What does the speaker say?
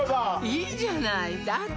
いいじゃないだって